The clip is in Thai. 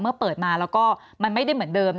เมื่อเปิดมาแล้วก็มันไม่ได้เหมือนเดิม